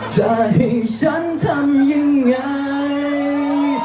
จะให้ฉันทำยังไง